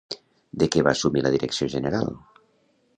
De què va assumir la direcció general?